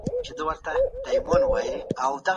زه بیرغ پېژنم.